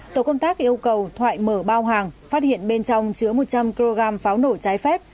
tổ công tác yêu cầu thoại mở bao hàng phát hiện bên trong chứa một trăm linh kg pháo nổ trái phép